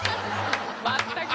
全く！